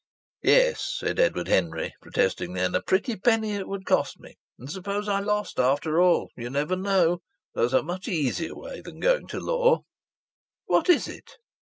"Yes," said Edward Henry, protestingly. "And a pretty penny it would cost me! And supposing I lost, after all?... You never know. There's a much easier way than going to law," "What is it?"